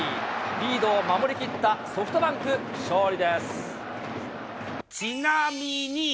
リードを守り切ったソフトバンク、ちなみに。